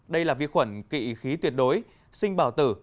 đây là vi khuẩn kỵ khí tuyệt đối sinh bào tử